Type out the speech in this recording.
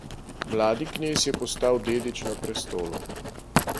Mladi knez je postal dedič na prestolu.